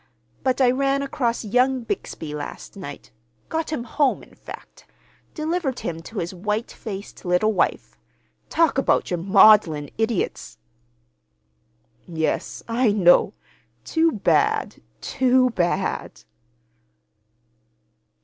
But I ran across young Bixby last night—got him home, in fact. Delivered him to his white faced little wife. Talk about your maudlin idiots!" "Yes, I know. Too bad, too bad!"